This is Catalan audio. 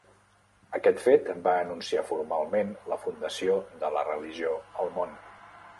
Aquest fet va anunciar formalment la fundació de la religió al món.